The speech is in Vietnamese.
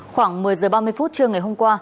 khoảng một mươi h ba mươi phút trưa ngày hôm qua